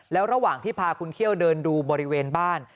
แล้วระหว่างที่พาคุณเขี้ยวเดินดูบริเวณบ้าน